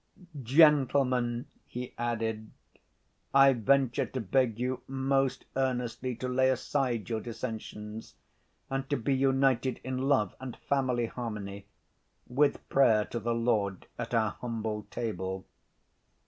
"Gentlemen!" he added, "I venture to beg you most earnestly to lay aside your dissensions, and to be united in love and family harmony—with prayer to the Lord at our humble table."